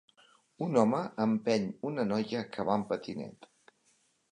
Un home empeny una noia que va en patinet